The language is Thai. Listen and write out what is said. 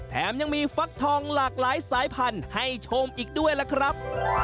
แถมยังมีฟักทองหลากหลายสายพันธุ์ให้ชมอีกด้วยล่ะครับ